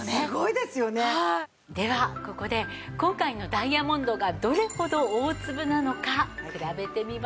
ではここで今回のダイヤモンドがどれほど大粒なのか比べてみましょう。